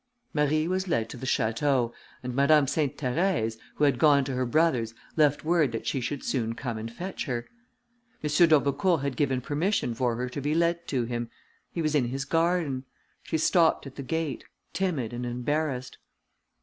Marie was led to the château, and Madame Sainte Therèse, who had gone to her brother's, left word that she should soon come and fetch her. M. d'Aubecourt had given permission for her to be led to him; he was in his garden; she stopped at the gate, timid and embarrassed.